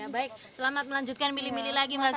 baik selamat melanjutkan milih milih lagi mbak sofi